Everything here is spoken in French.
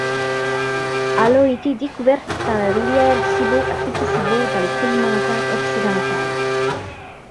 Elle a été découverte dans la rivière Sibau à Putussibau dans le Kalimantan occidental.